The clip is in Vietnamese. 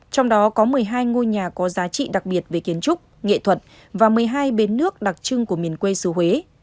trong đó có một mươi hai ngôi nhà có giá trị đặc biệt về kiến trúc nghệ thuật và một mươi hai bến nước đặc trưng của miền quê xứ huế